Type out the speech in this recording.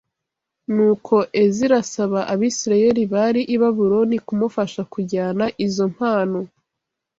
Nuko Ezira asaba Abisirayeli bari i Babuloni kumufasha kujyana izo mpano